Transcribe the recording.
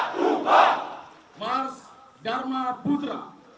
prajurit darma putra